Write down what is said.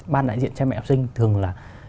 ban đại diện cha mẹ học sinh thường là